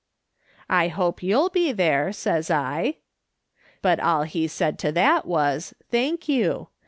"' I hope you'll be there,' says I. " But all he said to that was, ' Thank you